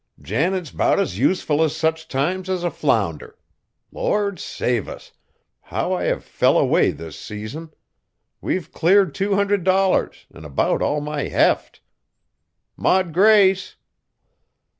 "Janet's 'bout as useful at such times as a flounder. Lord save us! how I have fell away this season! We've cleared two hundred dollars, an' about all my heft. Maud Grace!"